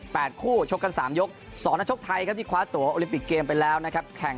คู่ชกกันสามยกสองนักชกไทยครับที่คว้าตัวโอลิมปิกเกมไปแล้วนะครับแข่ง